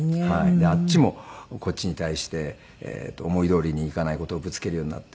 であっちもこっちに対して思いどおりにいかない事をぶつけるようになって。